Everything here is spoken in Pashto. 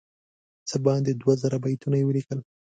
څه باندې دوه زره بیتونه یې ولیکل.